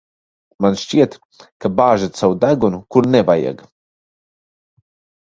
Man šķiet, ka bāžat savu degunu, kur nevajag.